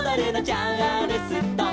「チャールストン」